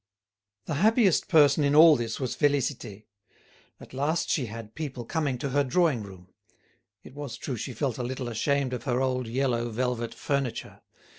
The happiest person in all this was Félicité. At last she had people coming to her drawing room. It was true she felt a little ashamed of her old yellow velvet furniture.